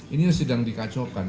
ini sedang dikacaukan